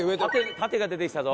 縦が出てきたぞ。